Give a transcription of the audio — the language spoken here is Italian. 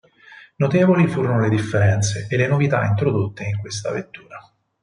Notevoli furono le differenze e le novità introdotte in questa vettura.